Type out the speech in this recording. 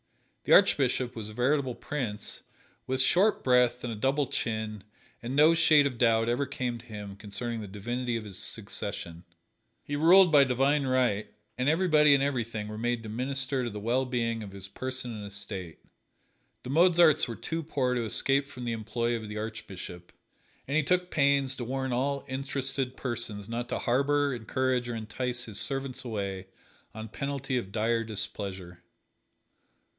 The Archbishop was a veritable prince, with short breath and a double chin, and no shade of doubt ever came to him concerning the divinity of his succession. He ruled by divine right, and everybody and everything were made to minister to the well being of his person and estate. The Mozarts were too poor to escape from the employ of the Archbishop, and he took pains to warn all interested persons not to harbor, encourage or entice his servants away on penalty of dire displeasure.